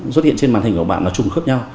xuất hiện trên màn hình của bạn là trùng khớp nhau